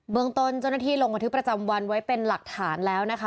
เมืองตนเจ้าหน้าที่ลงบันทึกประจำวันไว้เป็นหลักฐานแล้วนะคะ